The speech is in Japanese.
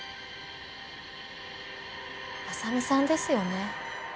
浅海さんですよね。